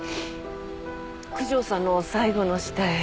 九条さんの最後の下絵